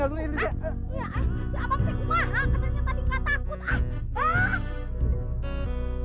katanya tadi gak takut